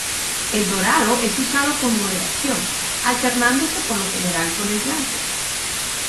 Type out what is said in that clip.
El dorado es usado con moderación, alternándose por lo general con el blanco.